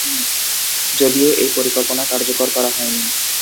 যদিও এই পরিকল্পনা কার্যকর করা হয়নি।